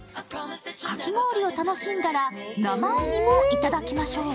かき氷を楽しんだら、生雲丹もいただきましょう。